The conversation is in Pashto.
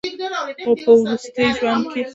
خو پۀ وروستي ژوند کښې